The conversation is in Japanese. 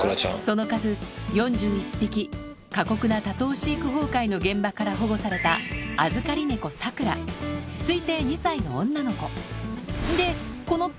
その数４１匹過酷な多頭飼育崩壊の現場から保護された推定２歳の女の子